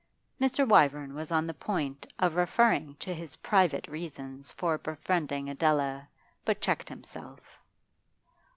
Mr. Wyvern was on the point of referring to his private reasons for befriending Adela, but checked himself.